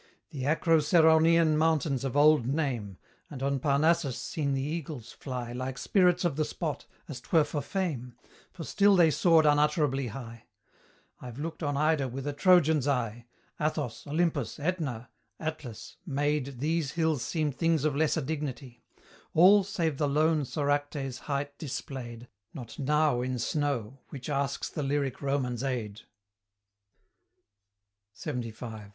The Acroceraunian mountains of old name; And on Parnassus seen the eagles fly Like spirits of the spot, as 'twere for fame, For still they soared unutterably high: I've looked on Ida with a Trojan's eye; Athos, Olympus, AEtna, Atlas, made These hills seem things of lesser dignity, All, save the lone Soracte's height displayed, Not NOW in snow, which asks the lyric Roman's aid LXXV.